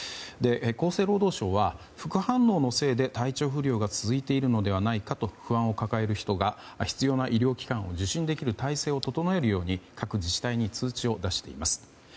厚生労働省は副反応のせいで体調不良が続いているのではないかと不安を抱える人が必要な医療機関を受診できる体制を整えるように各自治体に通知を出しています。